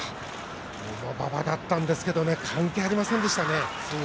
重馬場だったんですけど関係ありませんでしたね。